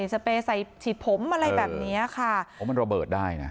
สเปรย์ใส่ฉีดผมอะไรแบบเนี้ยค่ะโอ้มันระเบิดได้นะ